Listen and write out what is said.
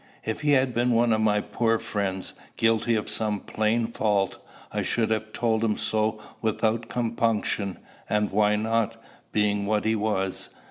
If he had been one of my poor friends, guilty of some plain fault, I should have told him so without compunction; and why not, being what he was?